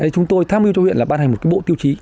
chúng tôi tham mưu cho huyện là ban hành một bộ tiêu chí